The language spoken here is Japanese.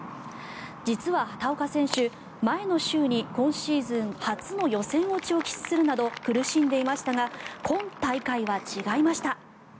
実は畑岡選手前の週に今シーズン初の予選落ちを喫するなど苦しんでいましたが今大会は違いました。